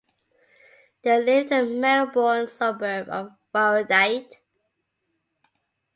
They live in the Melbourne suburb of Warrandyte.